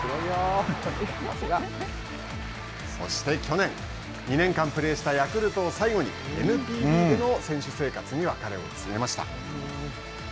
そして、去年、２年間プレーしたヤクルトを最後に、ＮＰＢでの選手生活に別れを告げました。